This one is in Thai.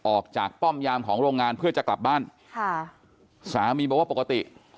ป้อมยามของโรงงานเพื่อจะกลับบ้านค่ะสามีบอกว่าปกติ